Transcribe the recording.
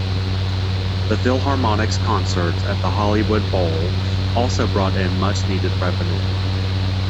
The Philharmonic's concerts at the Hollywood Bowl also brought in much needed revenue.